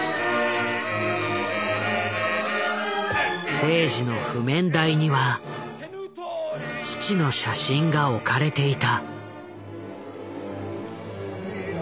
征爾の譜面台には父の写真が置かれていた。